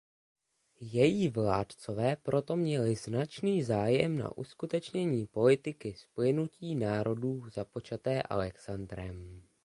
Její vládcové proto měli značný zájem na uskutečnění politiky splynutí národů započaté Alexandrem.